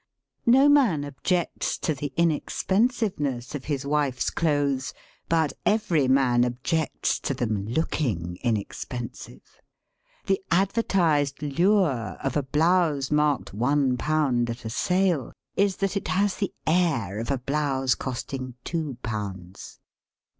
No man objects to the iaexpensiveness of his wife's clothes, but every man objects to them looking inexpensive. Tie advertised lure of a blouse marked one pound a.t a sale is that it has the air of a blouse costing two pounds.